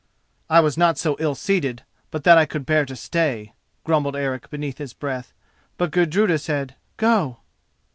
"I was not so ill seated but that I could bear to stay," grumbled Eric beneath his breath; but Gudruda said "Go."